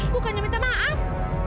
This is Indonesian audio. bukannya minta maaf